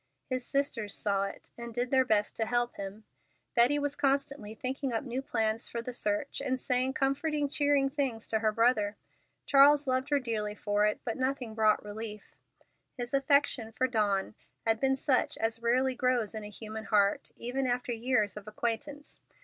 His sisters saw it, and did their best to help him. Betty was constantly thinking up new plans for the search, and saying comforting, cheering things to her brother. Charles loved her dearly for it, but nothing brought relief. His affection for Dawn had been such as rarely grows in a human heart, even after years of acquaintance.